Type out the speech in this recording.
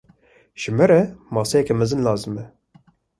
Ji me re maseyeke mezin lazim e.